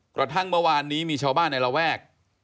กระทั่งเมื่อวานนี้มีชาวบ้านในระแวก